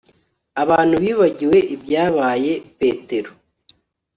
abantu bibagiwe ibyabaye. petero